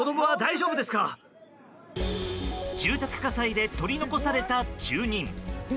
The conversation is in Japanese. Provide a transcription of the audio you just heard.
住宅火災で取り残された住人。